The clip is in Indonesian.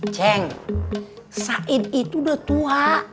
ceng said itu udah tua